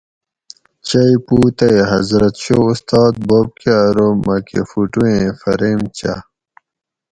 چئ پوُ تئ حضرت شاہ اُستاد بوب کٞہ ارو مۤکٞہ فُٹو ایں فریم چاٞ